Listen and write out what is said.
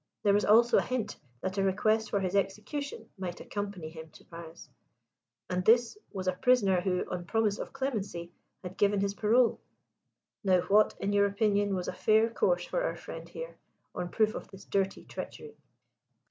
There was also a hint that a request for his execution might accompany him to Paris. And this was a prisoner who, on promise of clemency, had given his parole! Now what, in your opinion, was a fair course for our friend here, on proof of this dirty treachery?"